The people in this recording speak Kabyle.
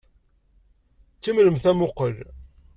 Kemmlemt amuqqel!